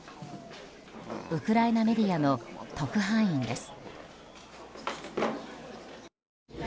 ウクライナメディアの特派員です。